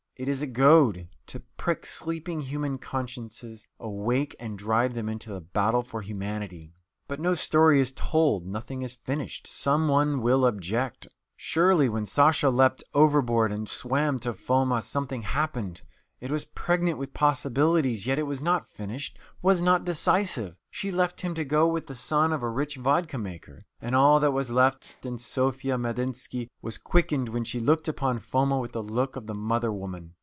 It is a goad, to prick sleeping human consciences awake and drive them into the battle for humanity. But no story is told, nothing is finished, some one will object. Surely, when Sasha leaped overboard and swam to Foma, something happened. It was pregnant with possibilities. Yet it was not finished, was not decisive. She left him to go with the son of a rich vodka maker. And all that was best in Sofya Medynsky was quickened when she looked upon Foma with the look of the Mother Woman.